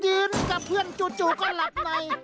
กับเพื่อนจู่ก็หลับใน